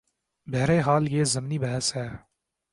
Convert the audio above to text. بہرحال یہ ضمنی بحث ہے۔